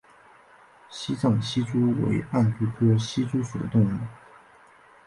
西藏隙蛛为暗蛛科隙蛛属的动物。